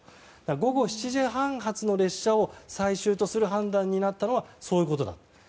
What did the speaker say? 午後７時半発の列車を最終とする判断になったのはそういうことだったと。